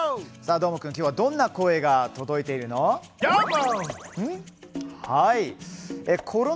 どーもくんきょうはどんな声が届いているのどーも！